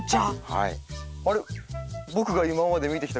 はい。